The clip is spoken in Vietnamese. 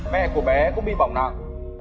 mẹ của bé cũng bị bỏng nặng